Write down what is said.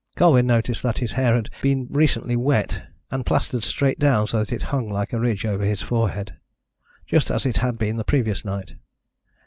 Colwyn noticed that his hair had been recently wet, and plastered straight down so that it hung like a ridge over his forehead just as it had been the previous night.